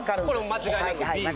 間違いなく。